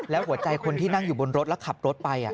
แล้วหัวใจคนที่นั่งอยู่บนรถแล้วขับรถไป